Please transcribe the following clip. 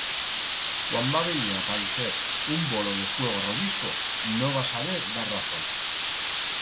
Cuan va veyer apareixer un bolo de fuego royisco no va saber dar razón.